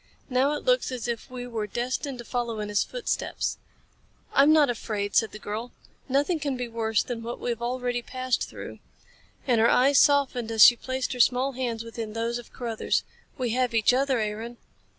Now it looks as if we were destined to follow in his footsteps." "I'm not afraid," said the girl. "Nothing can be worse than what we have already passed through." And her eyes softened as she placed her small hands within those of Carruthers. "We have each other, Aaron."